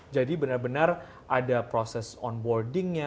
jadi benar benar ada proses onboardingnya